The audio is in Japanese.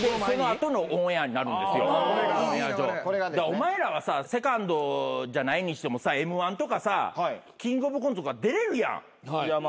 お前らはさＳＥＣＯＮＤじゃないにしてもさＭ−１とかさキングオブコントとか出れるやん。